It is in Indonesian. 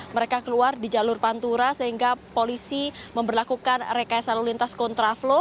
mereka keluar di jalur pantura sehingga polisi memperlakukan rekaya salur lintas kontra